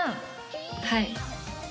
はい。